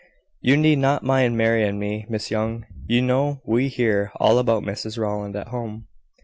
You need not mind Mary and me, Miss Young; you know we hear all about Mrs Rowland at home."